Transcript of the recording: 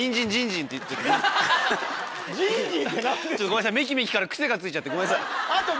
ごめんなさいめきめきから癖がついちゃってごめんなさい。